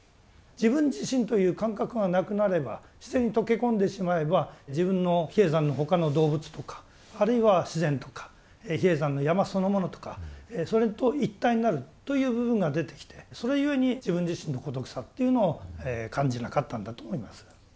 自分自身という感覚がなくなれば自然に溶け込んでしまえば自分の比叡山の他の動物とかあるいは自然とか比叡山の山そのものとかそれと一体になるという部分が出てきてそれゆえに自分自身の孤独さっていうのを感じなかったんだと思います。